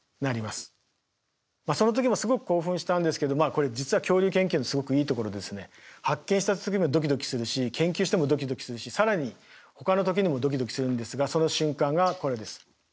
これ実は恐竜研究のすごくいいところで発見した時もドキドキするし研究してもドキドキするし更にほかの時にもドキドキするんですがその瞬間がこれです。